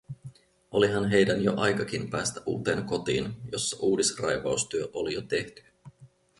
Olihan heidän jo aikakin päästä uuteen kotiin, jossa uudisraivaustyö oli jo tehty.